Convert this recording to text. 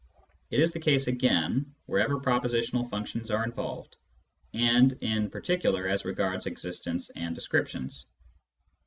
It is the case, again, wherever propositional functions are involved, and in particular as regards existence and descriptions.